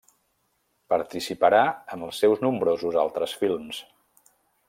Participarà en els seus nombrosos altres films.